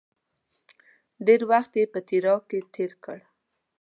ډېر وخت یې په تیراه کې تېر کړ.